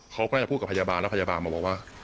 เขาก็จะพูดกับพยาบาลแล้วพยาบาลมาบอกว่า